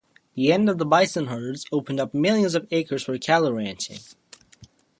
The end of the bison herds opened up millions of acres for cattle ranching.